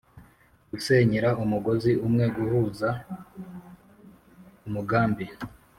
gusenyera umugozi umwe: guhuza umugambi